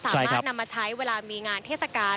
สามารถนำมาใช้เวลามีงานเทศกาล